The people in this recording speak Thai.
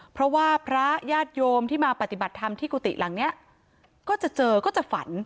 เพราะว่าพระญาติโยมที่มาปฏิบัติธรรมที่กุฏิหลังนี้ก็จะเจอก็จะฝัน